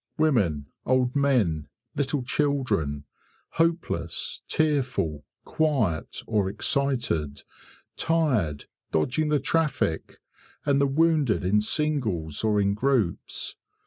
Women, old men, little children, hopeless, tearful, quiet or excited, tired, dodging the traffic, and the wounded in singles or in groups.